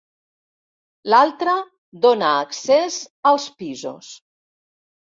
L'altra dóna accés als pisos.